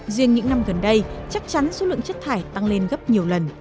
riêng những năm gần đây chắc chắn số lượng chất thải tăng lên gấp nhiều lần